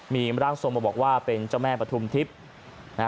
มีร่างทรงมาบอกว่าเป็นเจ้าแม่ปฐุมทิพย์